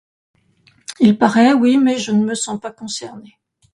Il paraît, oui, mais je ne me sens pas concernée.